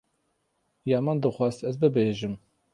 Ya min dixwast ez bibêjim.